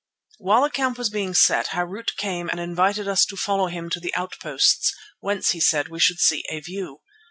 While the camp was being set Harût came and invited us to follow him to the outposts, whence he said we should see a view.